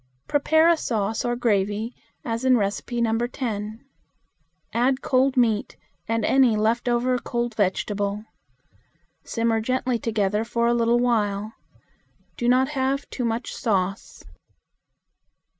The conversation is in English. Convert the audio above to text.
Prepare a sauce or gravy, as in No. 10. Add cold meat and any left over cold vegetable. Simmer gently together for a little while. Do not have too much sauce.